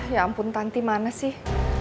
ya ampun tanti mana sih